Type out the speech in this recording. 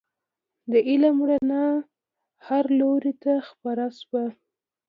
د علم رڼا هر لوري ته خپره سوه.